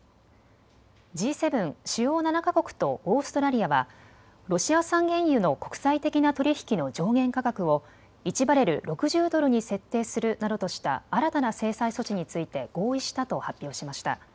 Ｇ７・主要７か国とオーストラリアはロシア産原油の国際的な取り引きの上限価格を１バレル６０ドルに設定するなどとした新たな制裁措置について合意したと発表しました。